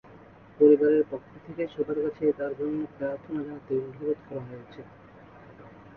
পরিবারের পক্ষ থেকে সবার কাছে তাঁর জন্য প্রার্থনা জানাতে অনুরোধ করা হয়েছে।